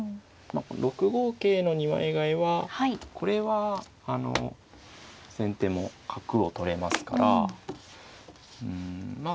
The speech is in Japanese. ６五桂の二枚替えはこれは先手も角を取れますからうんまあ